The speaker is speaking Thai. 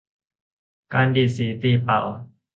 การดีดสีตีเป่า